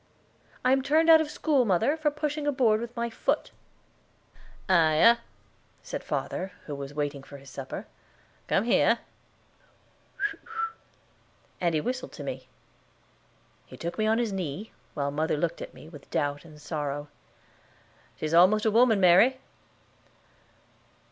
"I am turned out of school, mother, for pushing a board with my foot." "Hi," said father, who was waiting for his supper; "come here," and he whistled to me. He took me on his knee, while mother looked at me with doubt and sorrow. "She is almost a woman, Mary."